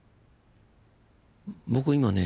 僕今ね